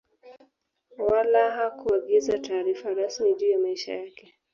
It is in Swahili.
Wala hakuagiza taarifa rasmi juu ya maisha yake